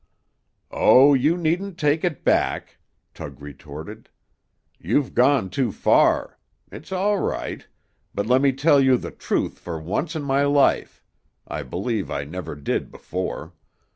"Oh, you needn't take it back," Tug retorted. "You've gone too far. It's all right; but let me tell you the truth for once in my life I believe I never did before.